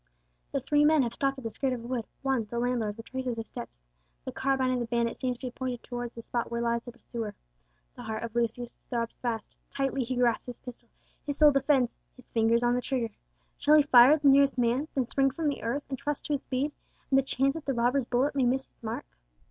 The three men have stopped at the skirt of a wood; one, the landlord, retraces his steps; the carbine of the bandit seems to be pointed towards the spot where lies the pursuer. The heart of Lucius throbs fast; tightly he grasps his pistol, his sole defence, his finger is on the trigger! Shall he fire at the nearest man, then spring from the earth and trust to his speed, and the chance that the robber's bullet may miss its mark?